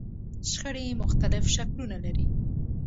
شخړې مختلف شکلونه لري.